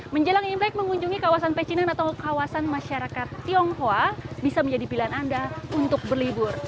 menjelang imlek mengunjungi kawasan pecinan atau kawasan masyarakat tionghoa bisa menjadi pilihan anda untuk berlibur